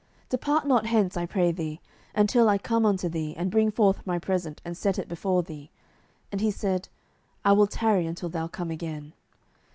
07:006:018 Depart not hence, I pray thee, until I come unto thee, and bring forth my present, and set it before thee. And he said, I will tarry until thou come again.